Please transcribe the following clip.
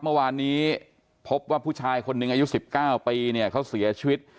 เมื่อวานนี้พบว่าผู้ชายคนหนึ่งอายุ๑๙ปีเนี่ยเขาเสียชีวิต